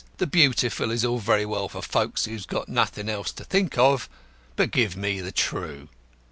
The Beautiful is all very well for folks who've got nothing else to think of, but give me the True.